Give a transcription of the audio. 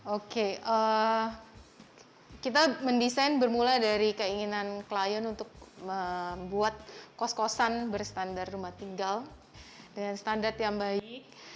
oke kita mendesain bermula dari keinginan klien untuk membuat kos kosan berstandar rumah tinggal dengan standar yang baik